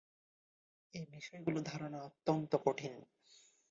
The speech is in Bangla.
এই বিষয়গুলি ধারণা করা অত্যন্ত কঠিন।